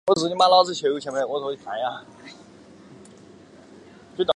波萨克和圣维维安。